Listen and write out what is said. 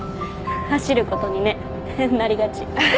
走ることにねなりがち。